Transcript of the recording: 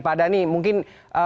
pak dhani mungkin